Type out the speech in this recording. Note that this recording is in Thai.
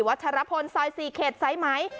วัชรพลซอย๔เขตไซส์ไหม